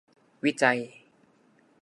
วิจัย